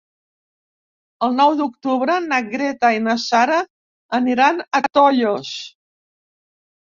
El nou d'octubre na Greta i na Sara aniran a Tollos.